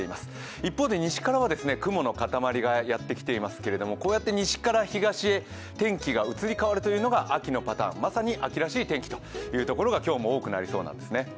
一方で西からは雲の固まりがやってきていますけどもこうやって西から東へ天気が移り変わるというのが秋のパターン、まさに秋らしい天気というところが今日も多くなりそうなんですね。